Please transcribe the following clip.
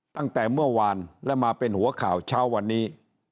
ตั้งแต่เมื่อวานและมาเป็นหัวข่าวเช้าวันนี้